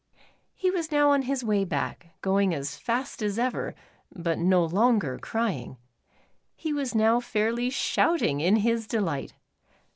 He was now on his way back, going as fast as ever, but no longer crying. He was now fairly shouting in his delight.